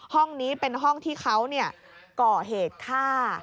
ห้องนี้เป็นห้องที่เขาก่อเหตุฆ่า